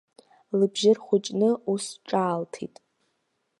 Лыбжьы рхәыҷны, ус ҿаалҭит.